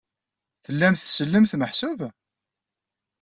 Tellamt tsellemt, meḥsub?